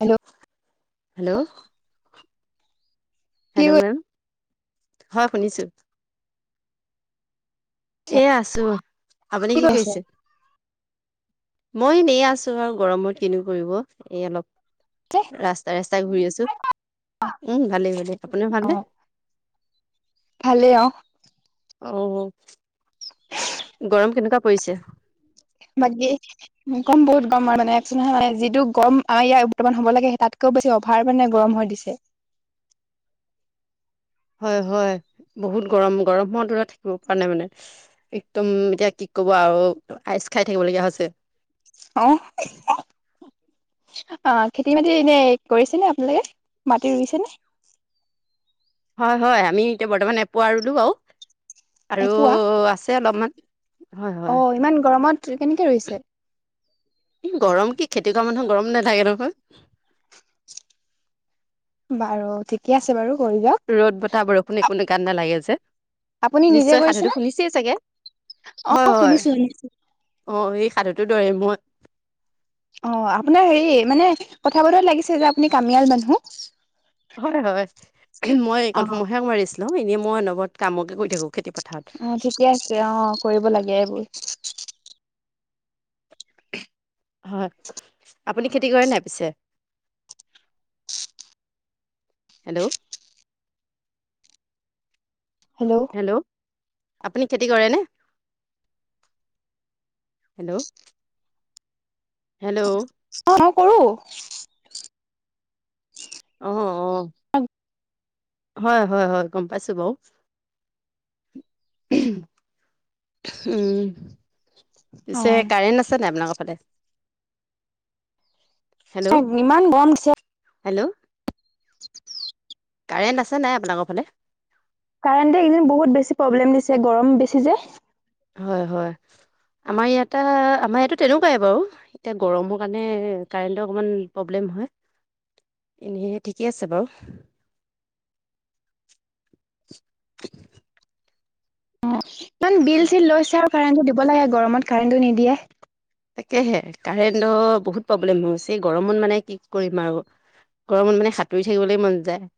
Hello hello কি hello ma'am হয় শুনিছোঁ। এ আছো, আপুনি কি কৰি আছা? কৰিছে? মই এনে আছো আৰু গৰমত কিনো কৰিব এই অলপ ৰাস্তাই ৰাস্তাই ঘূৰি আছোঁ। উম ভালেই ভালেই আপোনাৰ ভাল নে? ভালে অঁ। অ গৰম কেনেকুৱা পৰিছে। বাকি গৰম বহুত গৰম হয় মানে কৈছোঁ নহয় মানে যিটো গৰম আমাৰ‌ ইয়াত বৰ্তমান হ'ব লাগে তাত কও বেছি ভাৰ মানে গৰম হৈ দিছে। হয় হয় বহুত গৰম গৰম দৰে থাকিব পৰা নাই মানে। একদম এতিয়া কি ক'ব আৰু আইচ খাই থাকিবলগীয়া হৈছে। অ অ খেতি বাতি এনেই কৰিছে নে আপোনালোকে মাটি ৰুইছে নে? হয় হয় আমি এতিয়া বৰ্তমান এপোৱা ৰুলো বাৰু। আৰু এপোৱা? আছে অলপমান হয় হয়। অ' ইমান গৰমত কেনেকে ৰুইছে? গৰম কি খেতি কৰা মানুহৰ গৰম নাথাকে নহয়। বাৰু ঠিকে আছে বাৰু কৰি যাওঁক। ৰ'দ, বতাহ, বৰষুণ একো গাত নালাগে যে আপুনি নিজে নিশ্চয় কৰিছে সাধুটো নে? শুনিছে চাগে হয় অ' হয় হয়। শুনিছো শুনিছো। অ এই সাধুতো দৰে মই অ আপোনাৰ হেৰি মানে কথা বতৰাত লাগিছে যে আপুনি কামিয়াল মানুহ। হয় হয় মই এই কণ অ' সময় হে অকমান ৰেষ্ট লউ এনেই মই অনবৰতে কামকে কৰি থাকো খেতি পথ পথাৰত অ' ঠিকে আছে অ কৰিব লাগে এইবোৰ। হয় আপুনি খেতি কৰে নাই পিছে? হেল্ল হেল্ল' হেল্ল' আপুনি খেতি কৰেনে হেল্ল'- হেল্ল' অ অ কৰো- অ অ- [unintelligible] হয় হয় হয় গম পাইছোঁ বাৰু- উম পিছে অ' কাৰেণ্ট আছে নাই আপোনালোকৰ ফালে- হেল্ল' ইমান গৰম দিছে হেল্ল' কাৰেণ্ট আছে নাই আপোনালোকৰ ফালে? কাৰেণ্টে এইকেই দিন বহুত বেছি প্ৰব্লেম দিছে গৰম বেছি যে। হয় হয় আমাৰ ইয়াতে আমাৰ ইয়াতো তেনেকুৱাই বাৰু এতিয়া গৰমৰ কাৰণে কাৰেণ্টৰ অকমান প্ৰব্লেম হয়। এনে ঠিকে আছে বাৰু- অ ইমান বিল চিল লৈছে আৰু কাৰেণ্টটো দিব লাগে গৰমত কাৰেণ্টটো নিদিয়ে- তাকেহে কাৰেণ্টটো বহুত প্ৰব্লেম হৈছে, এই গৰমত মানে কি কৰিম আৰু। গৰমত মানে সাঁতুৰি থাকিবলৈ মন যায়।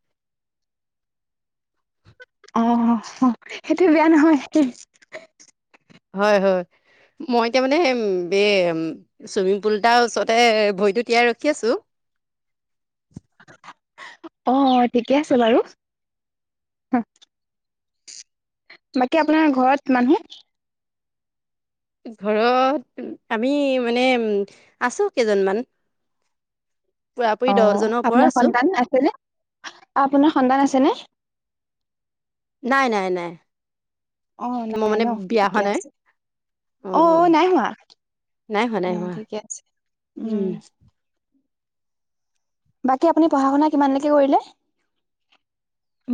অ অ সেইটো বেয়া নহয়। হয় হয়। মই এতিয়া মানে চুইমিং পুল এতাৰ ওচৰতে ভৰিটো তিয়াই ৰখি আছো। অ ঠিকে আছে বাৰু। বাকী আপোনাৰ ঘৰত মানুহ? ঘৰত আমি মানে উম আছো কেইজনমান। পুৰাপুৰি অ দহজনৰ ওপৰত আপোনাৰ আছো সন্তান আছে নে? অ আপোনাৰ সন্তান আছে নে? নাই নাই নাই, অ', মই নাই মানে ন বিয়া ঠিকে হোৱা নাই। আছে। অ', অ', উম, নাই হোৱা নাই হোৱা নাই অ', হোৱা ঠিকে আছে উম। বাকী আপুনি পঢ়া শুনা কিমানলৈকে কৰিলে?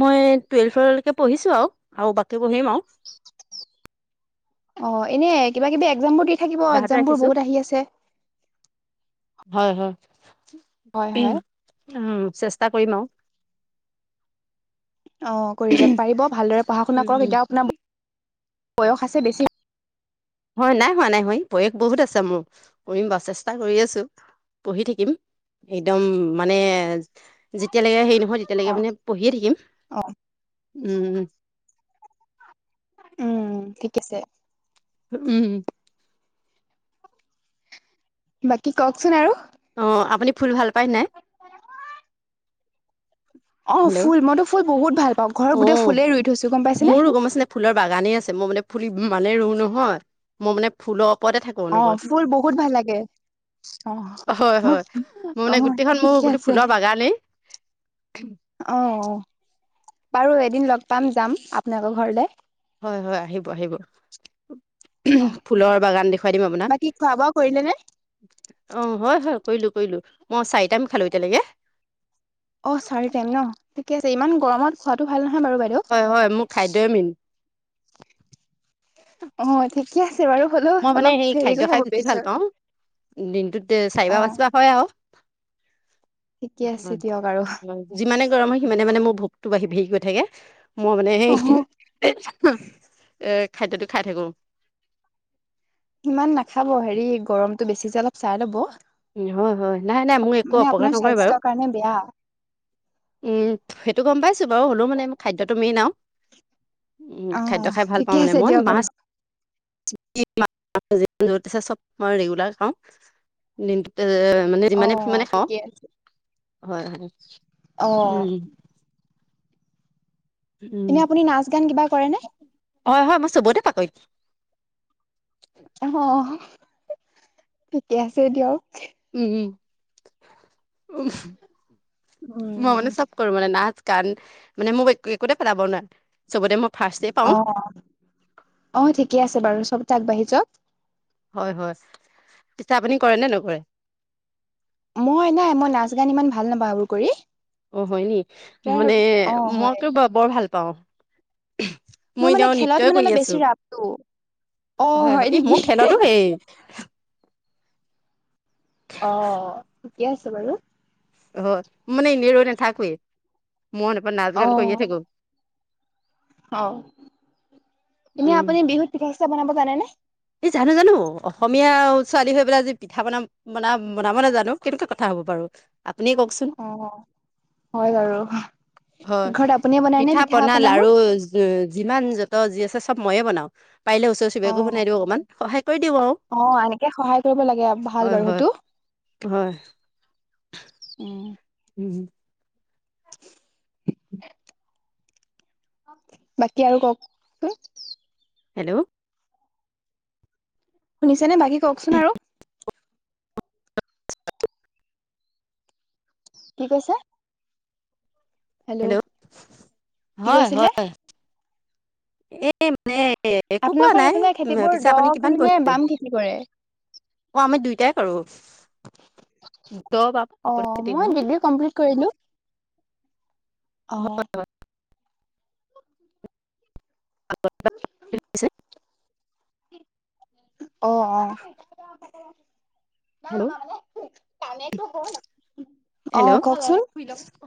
মই টুৱেলভলৈকে পঢ়িছো আৰু, আৰু বাকী পঢ়িম আৰু। [inaudible] অ এনে কিবা কিবি একজাম বোৰ দি থাকিব অব্যাহত এক্সামবোৰ ৰাখিছো, বহুত আহি আছে। হয় হয়, হয়। হয়। উম চেষ্টা কৰিম আৰু। অ কৰি যাওক পাৰিব ভালদৰে পঢ়া শুনা কৰক, উম এতিয়াও আপোনাৰ বয়স আছে বেছি হয় নাই হোৱা নাই হোৱা বয়স বহুত আছে মোৰ, কৰিম বাৰু চেষ্টা কৰি আছো। পঢ়ি থাকিম একদম মানে যেতিয়ালৈকে হেৰি নহয় অ তেতিয়ালৈকে মানে পঢ়িয়ে থাকিম অ উম। উম ঠিক আছে। উম। বাকী কওকচোন আৰু। অ আপুনি ফুল ভাল পায় নাই? অ হেল্ল' ফুল মইতো ফুল বহুত ভাল পাওঁ, ঘৰত গোটেই অঁ ফুলেই ৰুই থৈছো গম পাই মোৰো গম পাইছা নে, ফুলৰ বাগানেই আছে মই মানে ফুল ইমানেই ৰুওঁ নহয়। মই মানে ফুলৰ ওপৰতে নথাকো অ অনবৰত। ফুল বহুত ভাল লাগে অ হয় হয়, মোৰ অ মানে গোটেইখন মোৰ ঠিকে গোটেই আছে ফুল বাগানেই। [inaudible] অহ, বাৰু এদিন লগ পাম যাম আপোনালোকৰ ঘৰলে। হয় হয়, আহিব আহিব। অ ফুলৰ বাগান দেখুৱাই দিম আপোনাক। বাকী খোৱা বোৱা কৰিলে নে অ হয় হয় কৰিলো কৰিলো, মই চাৰিটাইম খালো এতিয়ালৈকে। অ চাৰি টাইম ন ঠিকে আছে ইমান গৰমত খোৱাটো ভাল নহয় বাৰু বাইদেউ। হয় হয় মোৰ খাদ্যই মেইন। অ ঠিকে আছে বাৰু, হ'লেও মই মানে সেই অলপ হেৰি খাদ্য কৰি খাই খাব বেছি ভাল পাওঁ পিছত দিনটোত চাৰি বাৰ পাঁচ বাৰ হয় আৰু। ঠিকে আছে দিয়ক আৰু যিমানে গৰম হয় সিমানে মানে মোৰ ভোক তো বাৰহি বাৰহি গৈ থাকে, মই মানে অ সেই এ খাদ্যটো খাই থাকো। ইমান নাখাব হেৰি গৰমটো বেছি যে অলপ চাই ল'ব। হয় হয়, নাই নাই মোৰ একো মানে অপকাৰ আপোনাৰ নকৰে বাৰু। স্বাস্থ্যৰ কাৰণে বেয়া। উম সেইটো গম পাইছো বাৰু হ'লেও মানে খাদ্যটো মেইন আও। উম খাদ্য অ', খাই ভাল ঠিকে পাওঁ মানে আছে মই দিয়ক আৰু। মাছ য আছে চব মই ৰেগুলাৰ খাওঁ-। দিনটোত মানে যিমানে অ', মানে খাওঁ ঠিকে আছে হয় হয়-। অ। উম উম এনে আপুনি নাচ গান কিবা কৰেনে?। হয় হয় মই চবতে পাকৈত। অ ঠিকে আছে এ দিয়ক। উম উ উ ম মানে উম, চ। কৰো মানে নাচ গান মানে মোক একো একোতে পেলাব নোৱাৰে চবতে মই ফাৰ্ষ্ট পাওঁ। অ', অ ঠিকে আছে বাৰু চবতে আগবাঢ়ি য। হয় হয় পিছে আপুনি কৰে নে নকৰে। মই নাই মই নাচ গান ইমান ভাল নাপাএবোৰ কৰি। অ হয় নি তাৰ মানে অ', মই হয় বৰ ভাল পাওঁ। মোৰ মই মানে এতি খেলত নৃত্য়ই মানে কৰি অলপ আছো বেছি ৰাপটো। অ', হয় হয় এই নেকি? মোৰ খেলতো হেই। অ ঠিকে আছে বাৰু। অ মানে ইনে ৰৈ না থাকোৱেই মনপৰা নাচ গান অ', কৰিয়ে থাকো। অ এনে উম আপুনি বিহুত পিঠা চিঠা বনাব জানেনেে?। এই জানো জানো অসমীয়া ছোৱালী হৈ পেলাই যদি পিঠা বনা। বনা বনাব নাজানো কেনেকুৱা কথা হ'ব বাৰু আপুনি কওকচোন। অ'। হয় বাৰু হয় ঘৰত আপুনিয়ে বনাই নে পিঠা- পনা, পনাবোৰ? লআৰু। যিমান য'ত যি আছে চব ময়ে বনাওঁ পাৰিলে ওচৰ চুবুৰীয়াকো অ', বনাই দিওঁ অকণমান সহায় কৰি দিওঁ আৰু। অ এনেকে সহায় কৰিব লাগে ভাল হয় বাৰু হয় সেইটো। হয় উম। উম। বাকী আৰু কওক চোন। হেল্ল'। শুনিছেনে বাকী কওকচোন আৰু। কি কৈছে?। হেল্ল', কি হয় কৈছিলে হয়। এই মানে একো কোৱা আপোনালোকৰ নাই সেইফালে খেতিবোৰ পিছে দ আপুনি কিমান খেতি নে পঢ়িছে। বাম খেতি কৰে অ আমি দুইটাই কৰো সকলো খতি। ্ কৰিলো অ। উ। হৈছে অ অ। ন হেল্ল' আমাৰ মানে কানতো হল। হেল্লো'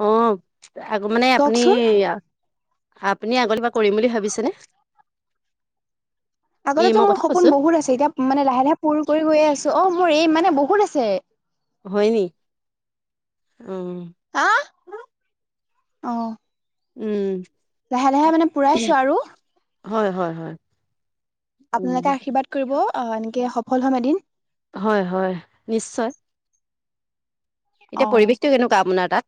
অহ আগত মানে আপুনি। কওকচোন আপুনি আগতে কিবা কৰিম বুলি ভাবিছেনে। এই আগতেতো মই মোৰ কথা সপোন কৈছো বহুত আছে এতিয়া মানে লাহে লাহে পূুৰণ কৰি গৈ আছো অ মোৰ এম মানে বহুত আছে। হয় নি উম। আ অহ। উম। লাহে লাহে মানে পূৰাইছো আৰু। হয় হয় হয়। উম আপোনালোকে আশীৰ্বাদ কৰিব অহ এনেকে সফল হ'ম এদিন। হয় হয় নিশ্চয়। অ এতিয়া পৰিৱেশটো কেনেকুৱা আপোনাৰ তাত।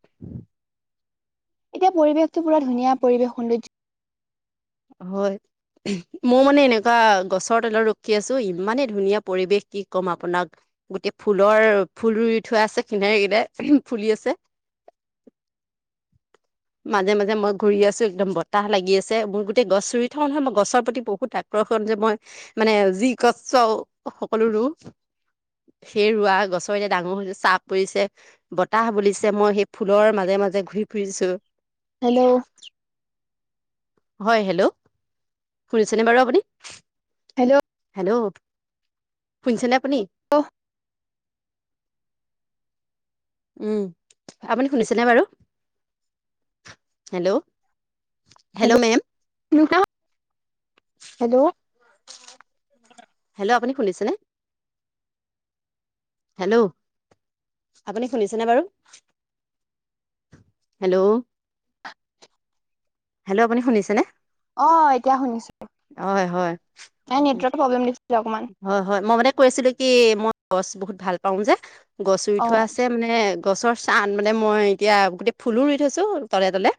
এতিয়া পৰিৱেশতো পুৰা ধুনীয়া পৰিৱেশ সৌন্দৰ্য। হয়ঁ আহো। মোৰ মানে এনেকুৱা গছৰ তলত ৰখি আছো ইমানে ধুনীয়া পৰিৱেশ কি ক'ম আপোনাক। গোটেই ফুলৰ ফুল ৰুই থোৱা আছে কিনাৰ কিনাৰ ফুলি আছে। [inaudible] মাজে মাজে মই ঘূৰি আছো একদম বতাহ লাগি আছে মোৰ গোত- গছ ৰুই থওঁ নহয় মই গছৰ প্ৰতি বহুত আকৰ্ষণ যে মই - মানে যি গছ চও সকলো ৰু সেই ৰোৱা গছৰ এতিয়া ডাঙৰ হৈছে চাহ পৰিছে- বতাহ বুলিছে মই সেই ফুলৰ মাজে মাজে ঘূৰি ফুৰিছো। হেল্লৌ! হয়ঁ হেল্লৌ শুনিছেনে বাৰু আপুনি। হেল্লৌ! হেল্লৌ শুনিছেনে আপুনি? অহ! উমঁ আপুনি শুনিছেনে বাৰু hello! Hello ma'am. Hello! Hello আপুনি শুনিছেনে? হেল্লৌ আপুনি শুনিছেনে বাৰু? হেল্লৌ হেল্লৌ আপুনি শুনিছেনে? অঁ এতিয়া শুনিছোঁ। হয়ঁ হয়ঁ। তাইৰ নেৱাৰ্কৰ প্ৰব্লেম দিছিলে অকমান। হয়ঁ হয়ঁ মই মানে কৈ আছিলো কি মই গছ বহুত ভাল পাওঁ যে গছ ৰুই অ থোৱা আছে মানে- গছৰ চাহ মানে মই এতিয়া গোটেই ফুলো ৰুই থৈছো তলে তলে।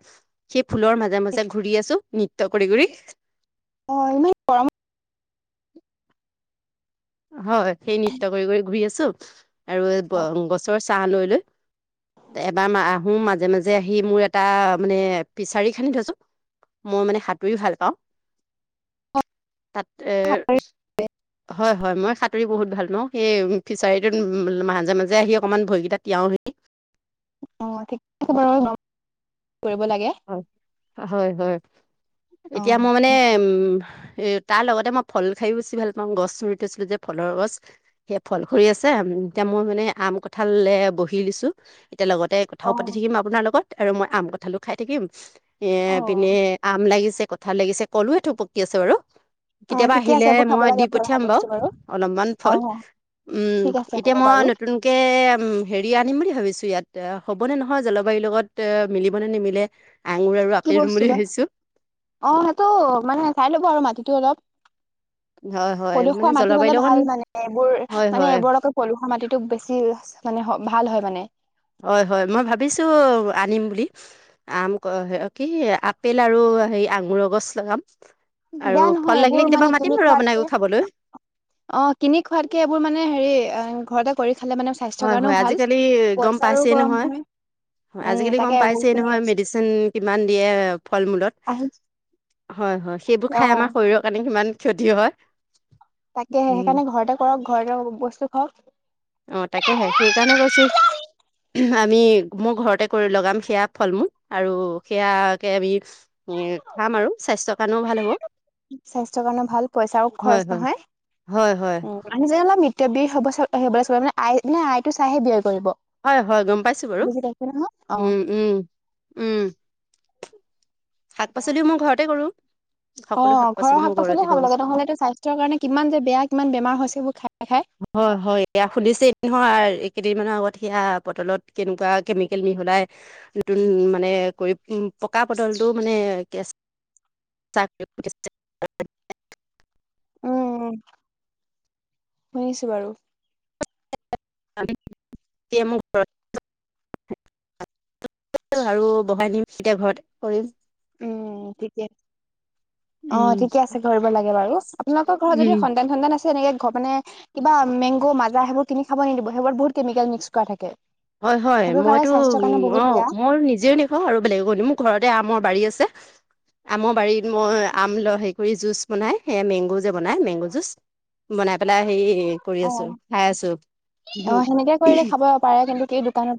সেই ফুলৰ মাজে মাজে ঘূৰি আছো নৃত্য কৰি কৰি। অহ এনেই। হয়ঁ সেই নৃত্য কৰি কৰি ঘূৰি আছো আৰু গছৰ চাহ লৈ লৈ। এবাৰ আহো মাজে মাজে আহি মোৰ এটা মানে ফিচাৰি খান্দি থৈছোঁ। মই মানে সাঁতুৰিও ভাল পাওঁ। অহ! তাতে এ হয়ঁ। হয়ঁ মই সাঁতুৰি বহুত ভাল পাওঁ ন সেই ফিচাৰীটোত মাজে মাজে আহি অকণমান ভৰিকেইটা তিয়াওহি। অঁ ঠিক আছে বাৰু কৰিব লাগে। হয়ঁ হয়ঁ হয়ঁ অ এতিয়া মই মানে উমঁ এত- তাৰ লগতে মই ফল খাইও বেছি ভাল পাওঁ গছ ৰুই থৈছিলো যে ফলৰ গছ। সেয়া ফল হৰি আছে এতিয়া মই মানে আম কঁঠালে বহি দিছো এতিয়া লগতে। কথাও অ পাতি থাকিম আপোনাৰ লগত আৰু মই আম কঠালো খাই থাকিম অ এই পিনে আম লাগিছে ক- ভাল লাগিছে কলো এঠোক পকি আছে বাৰু। অ কেতিয়াবা ঠিকে আহিলে আছে এইবোৰ খাব মই দি লাগে পঢ়া পঠিয়াম বাৰু বস্তু অলপমান অ ফল। উমঁ ঠিক আছে এতিয়া হ'ব মই বাৰু নতুন- ত হেৰি আনিম বুলি ভাবিছো ইয়াত হ'ব নে নহয় জলবায়ুৰ লগত মিলিব নে নিমিলি। নিমিলে আঙুৰ আৰু কি আপেল ৰুম বস্তু বুলি বা ভাবিছোঁ অঁ সেইটো মানে চাই ল'ব আৰু মাটিটো অলপ। হয় হয় পলুসুৱা মানে মাটি হ'লে জলবায়ুৰ লগত ভাল মানে এইবোৰ হয় মানে হয় এইবোৰ লগত পলুসৱা মাটিতটো বেছি মানে ভাল হয় মানে। হয়, হয় মই ভাবিছোঁ আনিম বুলি। আম, কি আপেল আৰু হেৰি আঙুৰৰ গছ লগাম। আৰু বেয়া নহয় ফল এইবোৰ লাগিলে মানে কেতিয়াবা কিনি মাতিম আৰু খোৱাতকে আপোনাকো খাবলৈ। অ', কিনি খোৱাতকে এইবোৰ মানে হেৰি ঘৰতে কৰি খালে মানে স্বাস্থ্যৰ হয়, কাৰণেও হয় ভাল আজিকালি গ'ম পইচাৰো পাইছেই গৰম নহয়। হয়। হয় উম আজিকালি তাকে গ'ম এইবোৰ পাইছেই শুনি নহয় আছো। মেডিচিন কিমান দিয়ে ফল মূলত। আহি হয়, হয় সেইবোৰ অ খাই আমাৰ শৰীৰৰ কাৰণে সিমান ক্ষতি হয়। তাকে উম, সেইকাৰণে ঘৰতে কৰক ঘৰতে বস্তু খাওঁক। অ', তাকেহে সেইকাৰণে কৈছোঁ আমি মোৰ ঘৰতে কৰি লগাম সেয়া ফল- মূল আৰু সেয়াকে আমি নি খাম আৰু স্বাস্থ্যৰ কাৰণেও ভাল হ'ব। স্বাস্থ্যৰ কাৰণে ভাল পইচাও হয় খৰচ হয় নহয় হয় হয় উম। মানুহজনে অলপ মৃতব্যয় হ'ব হ'বলৈ চ মানে আই মানে আইটো চাইহে ব্যয় কৰিব। হয়, হয়, গ'ম পাইছোঁ বাৰু বুজি পাইছে নহয় অ উম, উম। উম, শাক পাচলিও মই ঘৰতে কৰো। অ', ঘৰৰ শাক পাচলি ভাল লাগে নহ'লে স্বাস্থ্যৰ কাৰণে কিমান যে বেয়া কিমান বেমাৰ হৈছে এইবোৰ খাই, খাই। হয়, হয় এয়া খুুলিছে এ নহয় এই কেইদিনমানৰ আগত সেয়া পটলত কেনেকুৱা কেমিকেল মিহলাই। নতুন মানে কৰি পকা পটলটো মানে কে চাকৰি [unintelligible] উ শুনিছোঁ বাৰু। মোক ঘ [unintelligible] [unintelligible] আৰু বহাই নিম তেতিয়া ঘৰত কৰিম। উম থিকেই। অ', উম ঠিকে আছে ঘৰিব লাগে বাৰু আপোনালোকৰ ঘৰত উম যদি সন্তান, সন্তান আছে এনেকে ঘৰ মানে কিবা মেংগ' মাজা সেইবোৰ কিনি খাব নিদিব সেইবোৰ বহুত কেমিকেল মিক্স কৰা থাকে। হয়, হয় সেইবোৰ খালে মইতো স্বাস্থ্যৰ উ কাৰণে বহুত বেয়া অ', মই নিজেও অ', আৰু বেলেগে নি মোৰ ঘৰতে আমৰ বাৰী আছে। আমৰ বাৰীত মই আম ল হে কৰি জুচ বনাই সে মেংগো যে বনাই মেংগো জুচ বনাই পেলাই হে কৰি অ আছোঁ খাই অ সেনেকে কৰিলে আছোঁ। খাব পাৰে কিন্তু সেই দোকানত